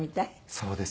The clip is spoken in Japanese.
そうですね。